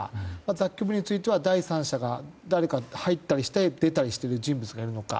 雑居ビルについては第三者、誰かが入ったりして出たりしている人物がいるのか。